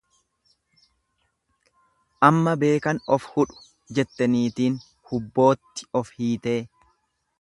Amma beekan of hudhu jette niitiin hubbootti of hiitee.